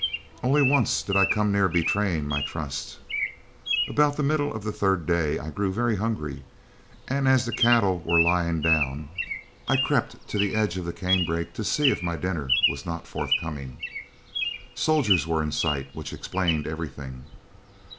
Only once did I come near betraying my trust. About the middle of the third day I grew very hungry, and as the cattle were lying down, I crept to the edge of the canebrake to see if my dinner was not forthcoming. Soldiers were in sight, which explained everything.